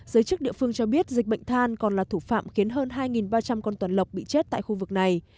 giới chức địa phương cho biết dịch bệnh than còn là thủ phạm khiến hơn hai ba trăm linh con toàn lọc bị chết tại khu vực này